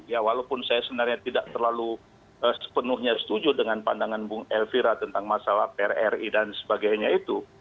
ya walaupun saya sebenarnya tidak terlalu sepenuhnya setuju dengan pandangan bung elvira tentang masalah prri dan sebagainya itu